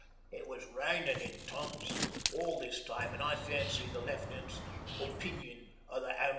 It was rainin' in tons all this time an' I fancy the Left'nant's opinion o' the Am.